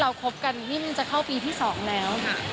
เราคบกันแล้วนี้มันจะเข้าปีที่๒แล้ว